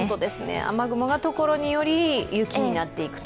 雨雲が所により雪になっていくと。